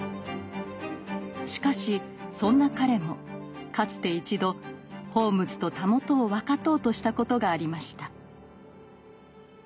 しかしそんな彼もかつて一度ホームズと袂を分かとうとしたことがありました。